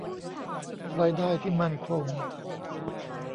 รายได้ที่มั่นคง